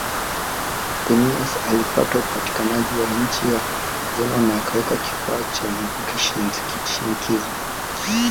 Anthemius alipata upatikanaji wa chini ya Zeno na akaweka kifaa cha mvuke shinikizo